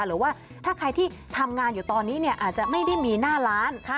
หรือว่าถ้าใครที่ทำงานอยู่ตอนนี้อาจจะไม่ได้มีหน้าร้าน